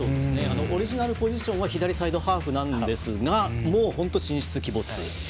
オリジナルポジションは左サイドハーフなんですが本当、神出鬼没。